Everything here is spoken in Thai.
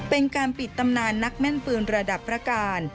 เป็นการปิดตำนานนักแม่นปืนระดับพระการ